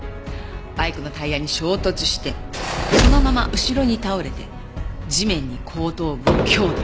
バイクのタイヤに衝突してそのまま後ろに倒れて地面に後頭部を強打。